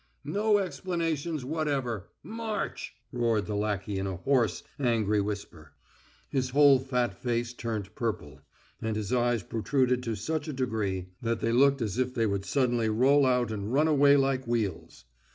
"No explanations whatever! March!" roared the lackey in a hoarse, angry whisper. His whole fat face turned purple, and his eyes protruded to such a degree that they looked as if they would suddenly roll out and run away like wheels.